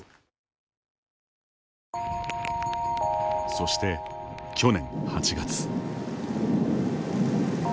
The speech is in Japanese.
そして去年８月。